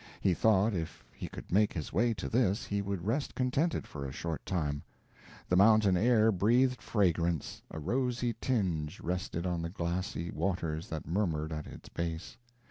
He thought if he could make his way to this, he would rest contented for a short time. The mountain air breathed fragrance a rosy tinge rested on the glassy waters that murmured at its base.